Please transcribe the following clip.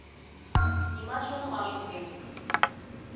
— Нимат шонымаш уке.